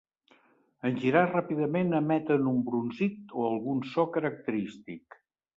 En girar ràpidament emeten un brunzit o algun so característic.